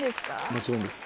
もちろんです。